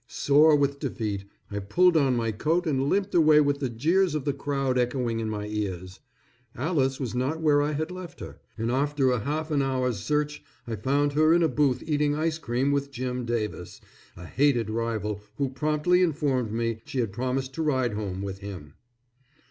Sore with defeat, I pulled on my coat and limped away with the jeers of the crowd echoing in my ears. Alice was not where I had left her, and after a half an hour's search I found her in a booth eating ice cream with Jim Davis, a hated rival who promptly informed me she had promised to ride home with him.